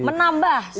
menambah suntikan energi